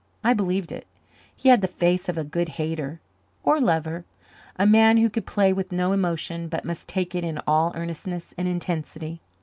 I believed it. He had the face of a good hater or lover a man who could play with no emotion but must take it in all earnestness and intensity.